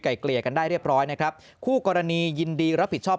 เกลี่ยกันได้เรียบร้อยนะครับคู่กรณียินดีรับผิดชอบ